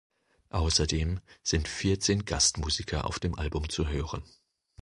Außerdem sind vierzehn Gastmusiker auf dem Album zu hören.